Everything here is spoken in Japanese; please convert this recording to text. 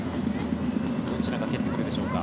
どちらが蹴ってくるでしょうか。